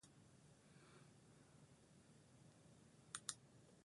She was considered to be a good gun platform.